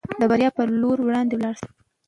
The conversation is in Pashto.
د بریا په لور وړاندې لاړ شئ.